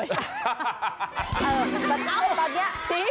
เออแบบนี้ตอนนี้